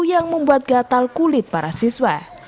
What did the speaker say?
yang membuat gatal kulit para siswa